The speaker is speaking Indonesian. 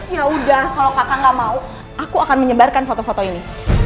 ya udah kalau kakak gak mau aku akan menyebarkan foto foto ini